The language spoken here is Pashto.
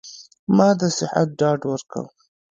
ما د صحت ډاډ ورکړ.